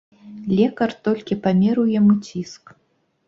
Лекар толькі памерыў яму ціск.